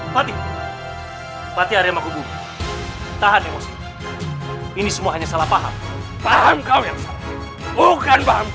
pati pati area makhluk tahan emosi ini semuanya salah paham paham kau yang bukan pahamku